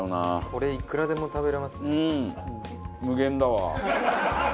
これいくらでも食べれますね。